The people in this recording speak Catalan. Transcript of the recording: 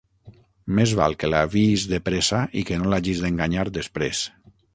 Més val que l'aviïs de pressa i que no l'hagis d'enganyar, després.